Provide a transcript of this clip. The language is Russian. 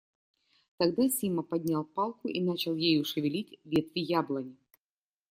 Тогда Сима поднял палку и начал ею шевелить ветви яблони.